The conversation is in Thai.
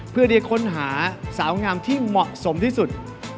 เพื่อที่จะค้นหาสาวงามที่เหมาะสมที่สุด